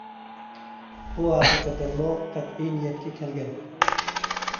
ئۇ ھەقىقەتەنمۇ قەتئىي نىيەتكە كەلگەن.